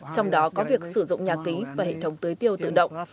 trong đó có việc sử dụng nhà kính và hệ thống tưới tiêu tự động